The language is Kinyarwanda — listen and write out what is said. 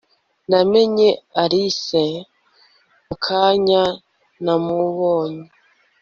namenye alice mukanya namubonye